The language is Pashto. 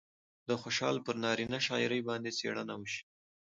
د خوشال پر نارينه شاعرۍ باندې څېړنه وشي